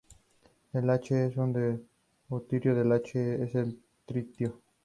Pedro Enríquez recibió como compensación de manos del rey la villa coruñesa de Cedeira.